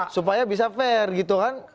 supaya bisa fair gitu kan